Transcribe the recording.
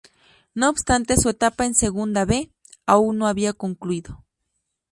No obstante su etapa en Segunda B aún no había concluido.